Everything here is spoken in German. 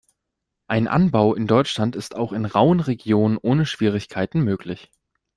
Ein Anbau in Deutschland ist auch in rauen Regionen ohne Schwierigkeiten möglich.